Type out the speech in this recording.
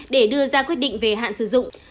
để đưa ra quyết định về hạn sử dụng